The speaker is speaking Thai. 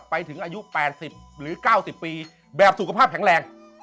ไปถึงอายุ๘๐หรือ๙๐ปีแบบสุขภาพแข็งแรง